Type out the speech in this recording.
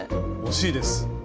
惜しいです。